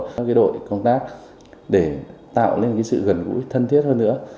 các đội công tác để tạo nên sự gần gũi thân thiết hơn nữa